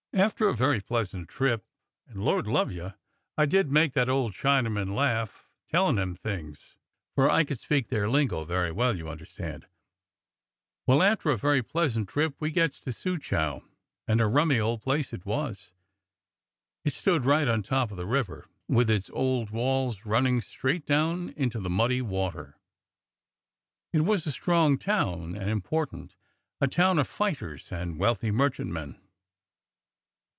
After a very pleas ant trip — and. Lord love you, I did make that old 180 DOCTOR SYN Chinaman laugh telHn' him things, for I could speak their lingo very well, you understand — well, after a very pleasant trip we gets to Soochow, and a rummy old place it was. It stood right on top of the river, with its old walls runnin' straight down into the muddy water. It was a strong town and important, a town of fighters and wealthy merchantmen.